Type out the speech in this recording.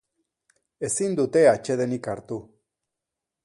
Ezin dute atsedenik hartu.